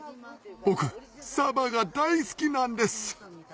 僕サバが大好きなんです